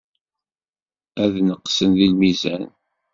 Ad neqsen deg lmizan.